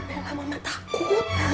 enggak bella mama takut